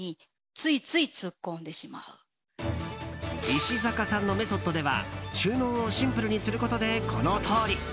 石阪さんのメソッドでは収納をシンプルにすることでこのとおり。